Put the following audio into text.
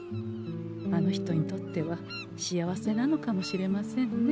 あの人にとっては幸せなのかもしれませんね。